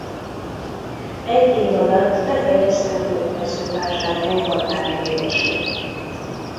Egy év alatt befejezte Hódmezővásárhely határmérését.